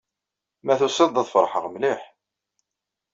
Ma tusiḍ-d, ad feṛḥeɣ mliḥ.